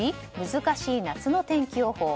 難しい夏の天気予報